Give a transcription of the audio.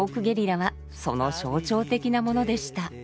ゲリラはその象徴的なものでした。